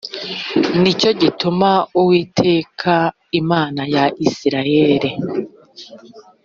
ni cyo gituma uwiteka imana ya isirayeli